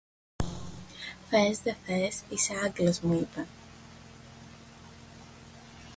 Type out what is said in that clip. Θες δε θες, είσαι Άγγλος, μου είπε